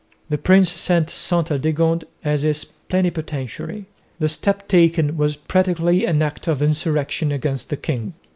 The prince sent Ste Aldegonde as his plenipotentiary. The step taken was practically an act of insurrection against the king.